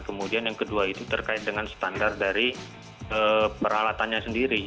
kemudian yang kedua itu terkait dengan standar dari peralatannya sendiri